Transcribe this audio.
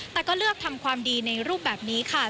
แต่ก็เลือกทำความดีในรูปแบบนี้ค่ะ